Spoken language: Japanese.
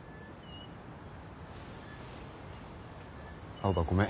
青羽ごめん。